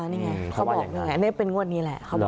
นี่ไงเขาบอกว่าเป็นงวดนี้แหละ